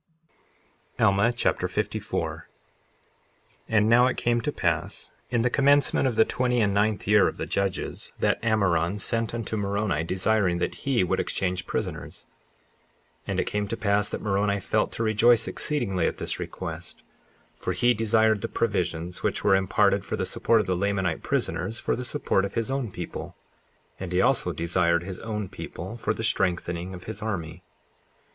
Alma Chapter 54 54:1 And now it came to pass in the commencement of the twenty and ninth year of the judges, that Ammoron sent unto Moroni desiring that he would exchange prisoners. 54:2 And it came to pass that Moroni felt to rejoice exceedingly at this request, for he desired the provisions which were imparted for the support of the Lamanite prisoners for the support of his own people; and he also desired his own people for the strengthening of his army.